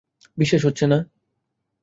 বিশ্বাস হচ্ছে না।